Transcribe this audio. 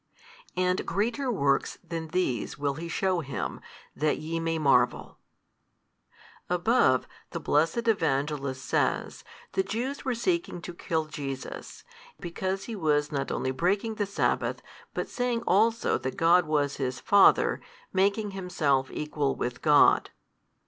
And greater works than these will He shew Him, that YE may marvel. Above the blessed Evangelist says, The Jews were seeking to kill Jesus, because He was not only breaking the sabbath, but saying also that God was His Father, making Himself Equal with God.